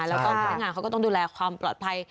แล้วก็พนักงานเขาก็ต้องดูแลความปลอดภัย